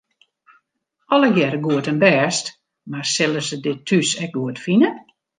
Allegearre goed en bêst, mar sille se dit thús ek goed fine?